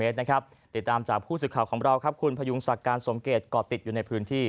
ติดตามจากผู้สื่อข่าวของเราครับคุณพยุงศักดิ์การสมเกตก่อติดอยู่ในพื้นที่